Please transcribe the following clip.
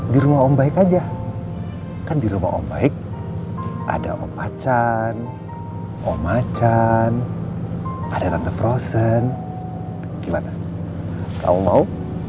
di rumah om baik aja kan di rumah om baik ada om pacan om macan ada tante frozen gimana kamu mau